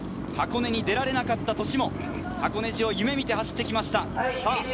箱根に出られなかった年も箱根路を夢見て走ってきました。